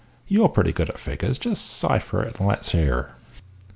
you're pretty good at figures; just cipher it up and let's hear?"